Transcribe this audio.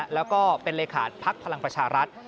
แล้วก็เป็นเลขาภักดิ์พลังประชารัฐ